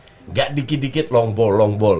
tidak sedikit sedikit long ball